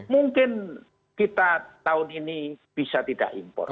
mungkin kita tahun ini bisa tidak impor